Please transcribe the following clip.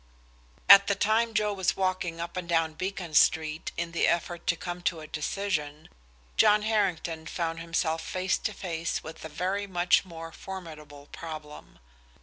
At the time Joe was walking up and down Beacon Street in the effort to come to a decision, John Harrington found himself face to face with a very much more formidable problem.